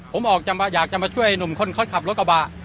ผมอยากจะมาช่วยหนุ่มคนขับรถกระบะ